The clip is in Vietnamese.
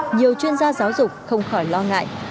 nhiều chuyên gia giáo dục không khỏi lo ngại